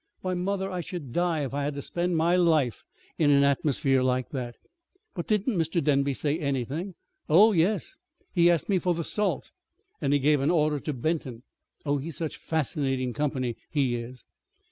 Why, mother, I should die if I had to spend my life in an atmosphere like that!" "But didn't Mr. Denby say anything?" "Oh, yes. He asked me for the salt, and he gave an order to Benton. Oh, he's such fascinating company he is!"